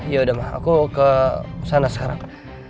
yaudah ma aku ke sana sekarang